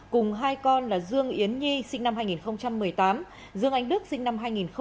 cùng hai con là dương yến nhi sinh năm hai nghìn một mươi tám dương anh đức sinh năm hai nghìn một mươi